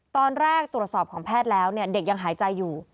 ตอนแรกตรวจสอบของแพทย์แล้วเด็กยังหายใจอยู่